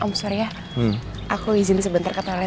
om surya aku izin sebentar ke toilet dulu ya